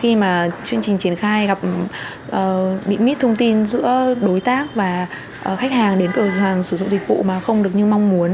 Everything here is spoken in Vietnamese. khi mà chương trình triển khai gặp bị mít thông tin giữa đối tác và khách hàng đến cửa hàng sử dụng dịch vụ mà không được như mong muốn